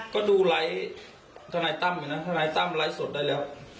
ก็ดูไลค์ธนัยตั้มเห็นไหมนะธนัยตั้มไลค์สดได้แล้ว